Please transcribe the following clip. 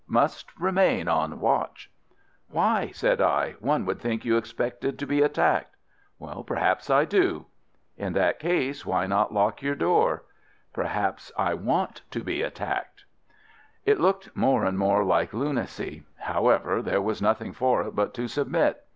"Must remain, on watch." "Why?" said I. "One would think you expected to be attacked." "Perhaps I do." "In that case, why not lock your door?" "Perhaps I want to be attacked." It looked more and more like lunacy. However, there was nothing for it but to submit.